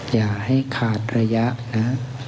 อย่าให้ขาดระยะนะ